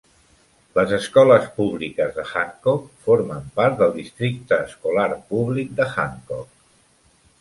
Les escoles públiques de Hancock formen part del districte escolar públic de Hancock.